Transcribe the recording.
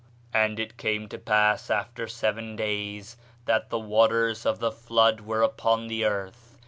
"And it came to pass after seven days, that the waters of the flood were upon the earth.